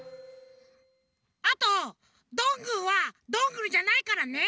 あとどんぐーはどんぐりじゃないからね！